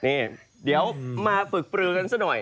นี่เดี๋ยวมาฝึกปลือกันซะหน่อย